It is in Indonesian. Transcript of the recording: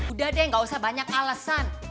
udah deh gak usah banyak alasan